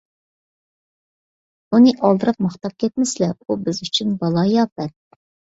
ئۇنى ئالدىراپ ماختاپ كەتمىسىلە، ئۇ بىز ئۈچۈن بالايىئاپەت.